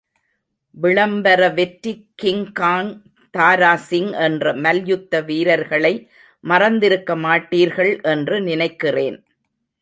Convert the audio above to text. விளம்பர வெற்றி கிங்காங் தாராசிங் என்ற மல்யுத்த வீரர்களை மறந்திருக்கமாட்டீர்கள் என்று நினைக்கிறேன்.